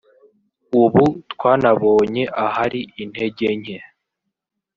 ubu twanabonye ahari intege nke